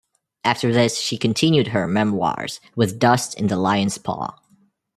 After this she continued her memoirs with Dust in the Lion's Paw.